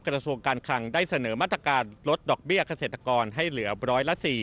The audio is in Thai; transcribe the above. กระทรวงการคังได้เสนอมาตรการลดดอกเบี้ยเกษตรกรให้เหลือร้อยละ๔